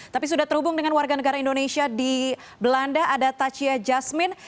tapi sudah terhubung dengan warga negara indonesia di belanda ada tachia jasmine